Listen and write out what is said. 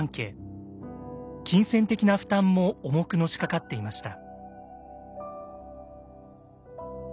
金銭的な負担も重くのしかかっていました。